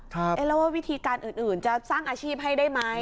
แล้วว่าวิธีการอื่นจะสร้างอาชีพให้ได้ไหม